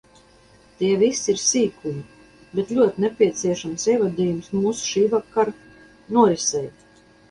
Tie visi ir sīkumi, bet ļoti nepieciešams ievadījums mūsu šīvakara norisei.